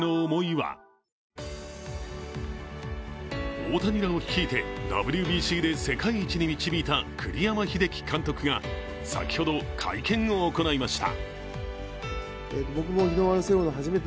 大谷らを率いてＷＢＣで世界一に導いた栗山英樹監督が先ほど会見を行いました。